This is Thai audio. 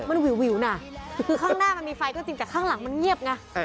มันวิวน่ะคือข้างหน้ามันมีไฟก็จริงแต่ข้างหลังมันเงียบไง